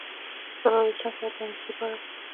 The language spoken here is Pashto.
څلور دېرشم سوال د انګیزې په اړه دی.